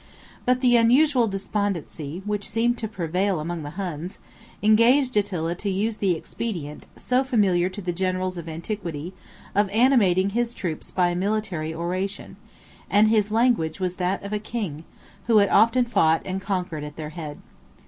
But the unusual despondency, which seemed to prevail among the Huns, engaged Attila to use the expedient, so familiar to the generals of antiquity, of animating his troops by a military oration; and his language was that of a king, who had often fought and conquered at their head.